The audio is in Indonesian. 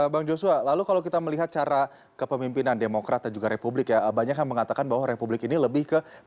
bang joshua lalu kalau kita melihat cara kepemimpinan demokrat dan juga republik ya banyak yang mengatakan bahwa republik ini lebih ke